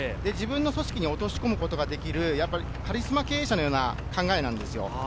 自分の組織に落とし込むことができるカリスマ経営者のような考えなんです。